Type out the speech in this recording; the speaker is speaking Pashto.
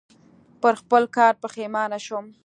پر خپل کار پښېمانه شوم .